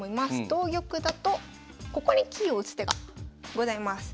同玉だとここに金を打つ手がございます。